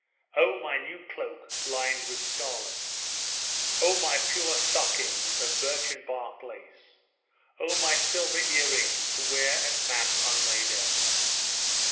"Oh, my new cloak lined with scarlet! Oh, my poor stockings of birchen bark lace! Oh, my silver ear rings to wear at mass on May Day!"